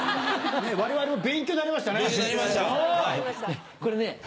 我々も勉強になりましたね。